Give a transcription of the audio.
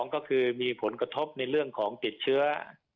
ก็คือมีผลกระทบในเรื่องของติดเชื้อ